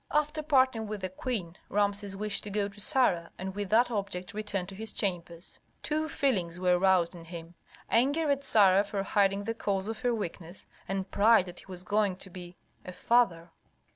After parting with the queen, Rameses wished to go to Sarah, and with that object returned to his chambers. Two feelings were roused in him, anger at Sarah for hiding the cause of her weakness, and pride that he was going to be a father.